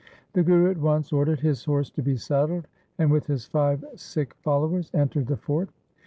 The Guru at once ordered his horse to be saddled and with his five Sikh fol lowers entered the fort.